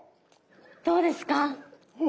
どうですか？